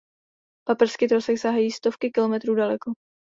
Paprsky trosek sahají stovky kilometrů daleko.